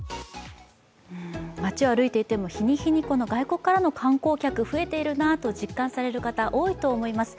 街を歩いていても、日に日に外国からの観光客、増えているなと実感される方、多いと思います。